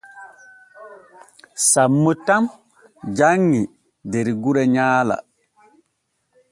Sammo tan janŋi der gure nyaala.